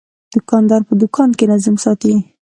دوکاندار په دوکان کې نظم ساتي.